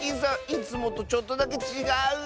いつもとちょっとだけちがう！